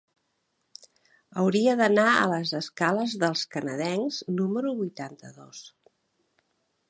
Hauria d'anar a les escales dels Canadencs número vuitanta-dos.